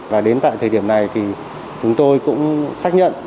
và đến tại thời điểm này thì chúng tôi cũng xác nhận